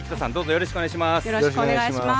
よろしくお願いします。